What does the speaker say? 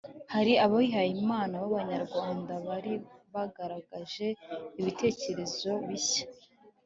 hari abihayimana b'abanyarwanda bari baragaragaje ibitekerezo bishya